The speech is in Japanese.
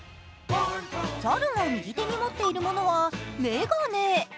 猿が右手に持っているものは眼鏡。